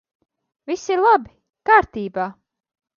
Viss ir labi! Kārtībā!